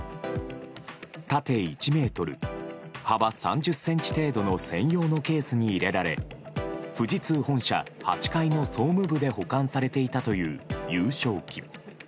縦１ｍ、幅３０ｃｍの程度の専用のケースに入れられ富士通本社８階の総務部で保管されていたという優勝旗。